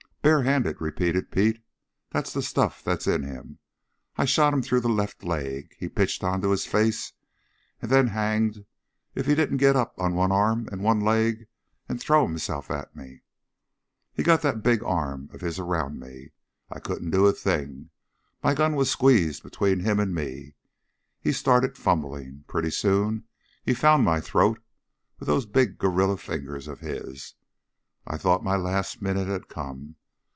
"Barehanded," repeated Pete. "That's the stuff that's in him! I shot him through the left leg. He pitched onto his face, and then hanged if he didn't get up on one arm and one leg and throw himself at me. He got that big arm of his around me. I couldn't do a thing. My gun was squeezed between him and me. He started fumbling. Pretty soon he found my throat with them big gorilla fingers of his. I thought my last minute had come.